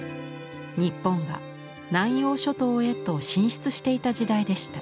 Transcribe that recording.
日本が南洋諸島へと進出していた時代でした。